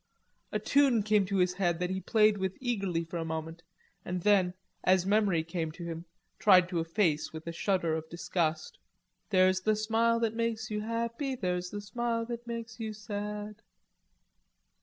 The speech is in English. A tune came to his head that he played with eagerly for a moment, and then, as memory came to him, tried to efface with a shudder of disgust. "There's the smile that makes you happy, There's the smile that makes you sad."